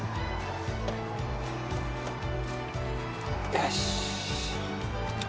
よし！